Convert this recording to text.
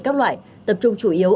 các loại tập trung chủ yếu